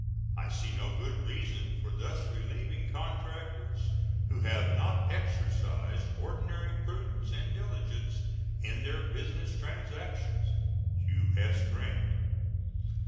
I see no good reason for thus relieving contractors who have not exercised ordinary prudence and diligence in their business transactions. U.S. GRANT.